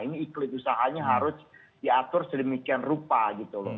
ini iklim usahanya harus diatur sedemikian rupa gitu loh